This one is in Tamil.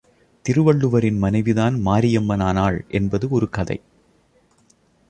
திருவள்ளுவரின் மனைவிதான் மாரியம்மன் ஆனாள் என்பது ஒரு கதை.